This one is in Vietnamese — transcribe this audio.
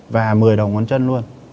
và mười đầu ngón chân luôn